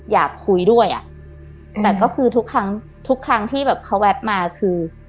อยากคุยด้วยอ่ะแต่ก็คือทุกครั้งทุกครั้งที่แบบเขาแวบมาคือ